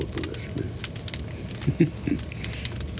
フフフッ。